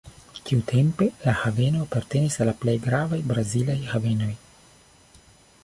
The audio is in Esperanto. Tiutempe la haveno apartenis al la plej gravaj brazilaj havenoj.